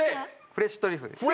フレッシュトリュフです。